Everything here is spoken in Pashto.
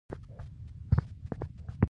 پرمختلليو هېوادونو نيمايي زيات نفوس